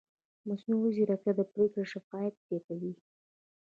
مصنوعي ځیرکتیا د پرېکړو شفافیت زیاتوي.